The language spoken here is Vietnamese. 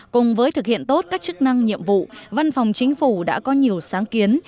cùng với thực hiện tốt các chức năng nhiệm vụ văn phòng chính phủ đã có nhiều sáng kiến